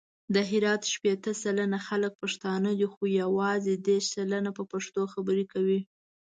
د هرات شپېته سلنه خلګ پښتانه دي، خو یوازې دېرش سلنه په پښتو خبري کوي.